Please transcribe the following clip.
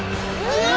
うわ！